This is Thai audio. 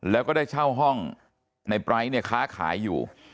แล้วก็ได้เช่าห้องในปลายเนี่ยค้าขายอยู่